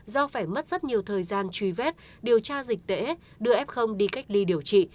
do phải mất rất nhiều thời gian truy vết điều tra dịch tễ đưa f đi cách ly điều trị